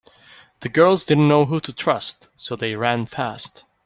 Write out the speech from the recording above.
The girls didn’t know who to trust so they ran fast.